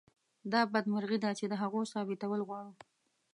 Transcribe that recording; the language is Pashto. دا بدمرغي ده چې د هغو ثابتول غواړو.